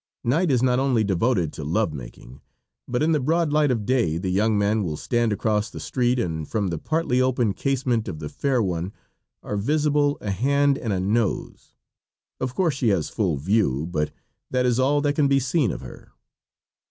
Night is not only devoted to love making, but in the broad light of day the young man will stand across the street and from the partly opened casement of the fair one are visible a hand and a nose of course she has full view, but that is all that can be seen of her.